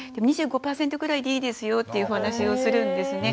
２５％ぐらいでいいですよっていうお話をするんですね。